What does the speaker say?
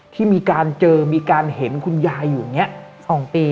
ที่มีการเจอมีการเห็นคุณยายอยู่อย่างนี้๒ปี